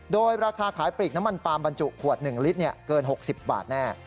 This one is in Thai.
โดยราคาขายปลีกน้ำมันปาล์มบรรจุขวด๑ลิตรเกิน๖๐บาทแน่